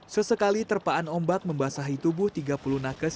sesekali terpaan ombak membasahi tubuh tiga puluh nakes